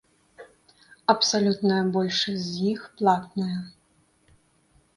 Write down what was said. Абсалютная большасць з іх платная.